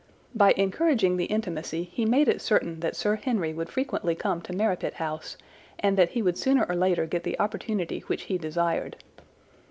By encouraging the intimacy he made it certain that Sir Henry would frequently come to Merripit House and that he would sooner or later get the opportunity which he desired.